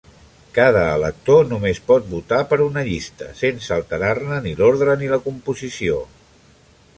Cada elector només pot votar per una llista, sense alterar-ne ni l'ordre ni la composició.